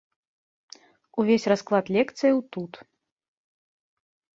Увесь расклад лекцыяў тут.